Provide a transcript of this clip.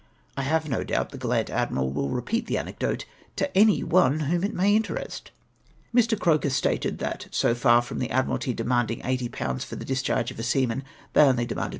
I have no doubt the gallant admii'al will repeat the anecdote to any one whom it may interest. ]Mi'. Croker stated, that so far from the Admiralty demanding 80/. for the discharge of a seaman, they only demanded 40